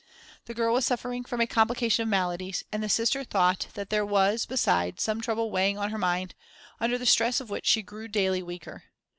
The girl was suffering from a complication of maladies, and the Sister thought that there was, besides, some trouble weighing on her mind, under the stress of which she grew daily weaker.